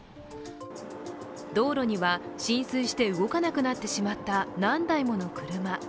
道路には浸水して動かなくなってしまった何台もの車。